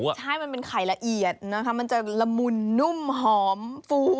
ใช่มันเป็นไข่ละเอียดนะคะมันจะละมุนนุ่มหอมฟู